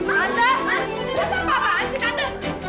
tante apaan sih tante